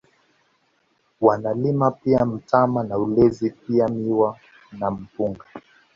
Wanalima pia mtama na ulezi pia miwa na Mpunga